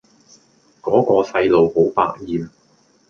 嗰個細路好百厭